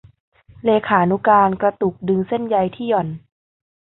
เลขานุการกระตุกดึงเส้นใยที่หย่อน